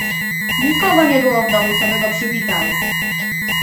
"Nikogo nie było w domu, coby go przywitał!"